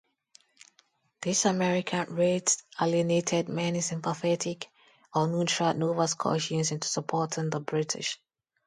These American raids alienated many sympathetic or neutral Nova Scotians into supporting the British.